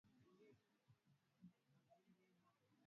umekutana katika mkutano wake wenye lengo